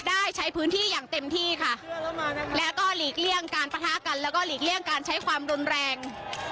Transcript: ได้ใช้พื้นที่อย่างเต็มที่ค่ะแล้วก็หลีกเลี่ยงการประทะกันแล้วก็หลีกเลี่ยงการใช้ความรุนแรง